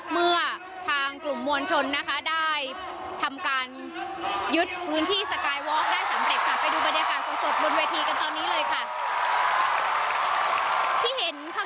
เมื่อทางกลุ่มมวลชนนะคะได้ทำการยึดพื้นที่สกายวอล์กได้สำเร็จค่ะไปดูบรรยากาศสดบนเวทีกันตอนนี้เลยค่ะ